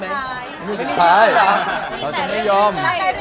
ไม่มีสุดท้ายเราจะไม่ยอม